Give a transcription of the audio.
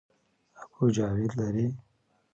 اکو جاوید لري